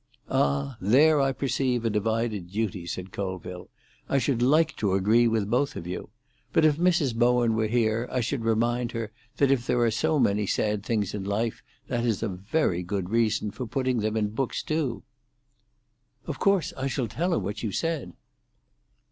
"Ah, there I perceive a divided duty," said Colville. "I should like to agree with both of you. But if Mrs. Bowen were here I should remind her that if there are so many sad things in life that is a very good reason for putting them in books too." "Of course I shall tell her what you said."